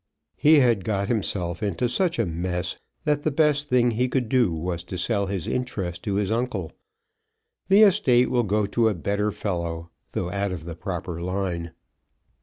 "He had got himself into such a mess that the best thing he could do was to sell his interest to his uncle. The estate will go to a better fellow, though out of the proper line."